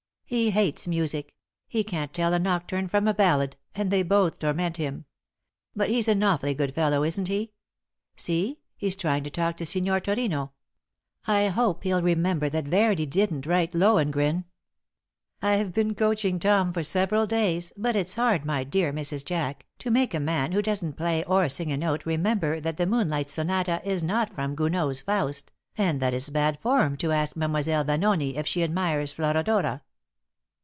He hates music. He can't tell a nocturne from a ballade and they both torment him. But he's an awfully good fellow, isn't he? See, he's trying to talk to Signor Turino. I hope he'll remember that Verdi didn't write 'Lohengrin.' I've been coaching Tom for several days, but it's hard, my dear Mrs. Jack, to make a man who doesn't play or sing a note remember that the Moonlight Sonata is not from Gounod's 'Faust,' and that it's bad form to ask Mlle. Vanoni if she admires 'Florodora.